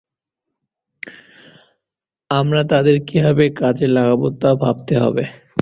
আমরা তাদের কীভাবে কাজে লাগাব তা ভাবতে হবে।